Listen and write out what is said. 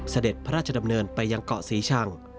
เสด็จพระราชดำเนินไปยังเกาะศรีชัง